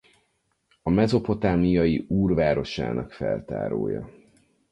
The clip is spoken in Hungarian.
A mezopotámiai Ur városának feltárója.